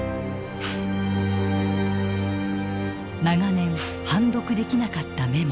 長年判読できなかったメモ。